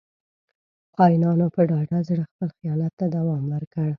• خاینانو په ډاډه زړه خپل خیانت ته دوام ورکړ.